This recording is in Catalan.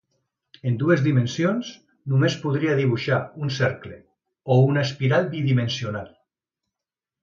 En dues dimensions, només podria dibuixar un cercle, o una espiral bidimensional.